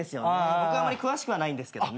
僕あんまり詳しくはないんですけどね。